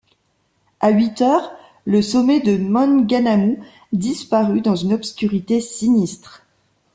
À huit heures, le sommet du Maunganamu disparut dans une obscurité sinistre.